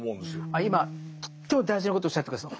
あ今とっても大事なことをおっしゃって下さった。